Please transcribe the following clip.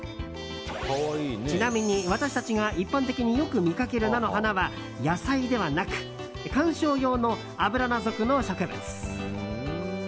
ちなみに、私たちが一般的によく見かける菜の花は野菜ではなく観賞用のアブラナ属の植物。